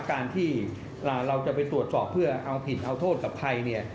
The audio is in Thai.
การที่เราจะไปตรวจสอบเพื่อเอาผิดเอาโทษกับใครเนี่ย